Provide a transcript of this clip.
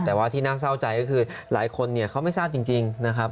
แต่ว่าที่น่าเศร้าใจก็คือหลายคนเนี่ยเขาไม่ทราบจริงนะครับ